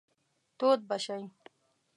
تود به شئ.